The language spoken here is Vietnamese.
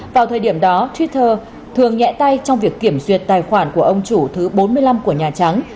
vào thời điểm đó twitter thường nhẹ tay trong việc kiểm duyệt tài khoản của ông chủ thứ bốn mươi năm của nhà trắng